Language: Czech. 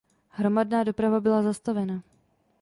Hromadná doprava byla zastavena.